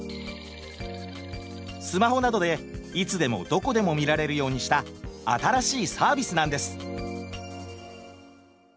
スマホなどでいつでもどこでも見られるようにした新しいサービスなんです。